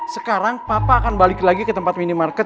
sekarang papa akan balik lagi ke tempat minimarket